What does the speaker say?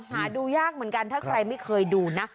หาดูยากเหมือนกันถ้าใครไม่เคยดูนะ